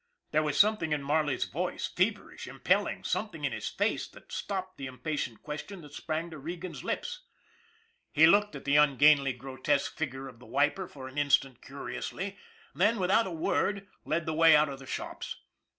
There was something in Marley's voice, feverish, impelling, something in his face, that stopped the im patient question that sprang to Regan's lips. He MARLEY 233 looked at the ungainly, grotesque figure of the wiper for an instant curiously, then without a word led the way out of the shops.